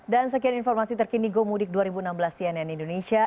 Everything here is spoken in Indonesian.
dan sekian informasi terkini gomudik dua ribu enam belas cnn indonesia